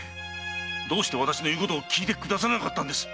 どうして私の言うことをきいてくださらなかったのです？